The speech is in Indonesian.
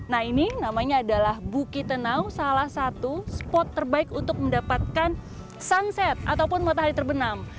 nah ini namanya adalah bukit tenau salah satu spot terbaik untuk mendapatkan sunset ataupun matahari terbenam